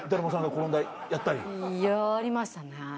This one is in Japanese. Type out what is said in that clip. やりましたね。